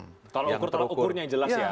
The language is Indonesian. kalau ukur tolak ukurnya yang jelas ya